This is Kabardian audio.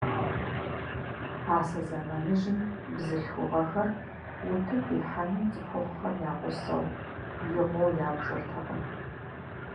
Пасэ зэманыжьым бзылъхугъэхэр утыку ихьэну цӀыхухъухэм я гъусэу игъуэу ябжыртэкъым.